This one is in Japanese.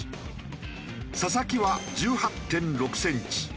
佐々木は１８．６センチ。